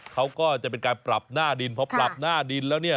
เขาก็จะเป็นการปรับหน้าดินพอปรับหน้าดินแล้วเนี่ย